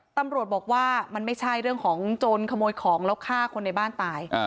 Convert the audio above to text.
ตำรวจบอกว่ามันไม่ใช่เรื่องของโจรขโมยของแล้วฆ่าคนในบ้านตาย